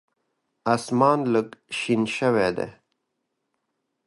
اسمان لږ شین شوی دی .